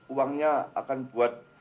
uangnya akan buat